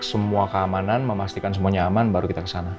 untuk ngecek semua keamanan memastikan semuanya aman baru kita kesana